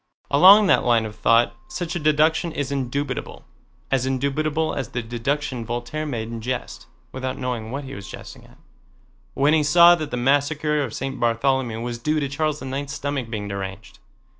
Along that line of thought such a deduction is indubitable, as indubitable as the deduction Voltaire made in jest (without knowing what he was jesting at) when he saw that the Massacre of St. Bartholomew was due to Charles IX's stomach being deranged.